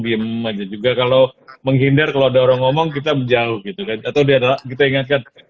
diem aja juga kalau menghindar kalau ada orang ngomong kita menjauh gitu kan atau kita ingatkan